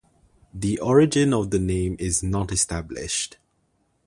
The origin of the name is not established.